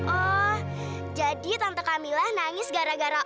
oh jadi tante camillah nangis gara gara